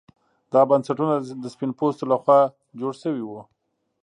دا بنسټونه د سپین پوستو لخوا جوړ شوي وو.